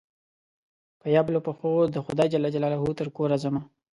په يبلو پښو دخدای ج ترکوره ځمه